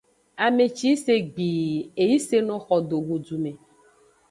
Ame ci yi se gbii, e yi seno xo do godu me.